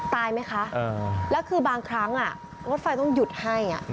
ตายไหมคะแล้วคือบางครั้งรถไฟต้องหยุดให้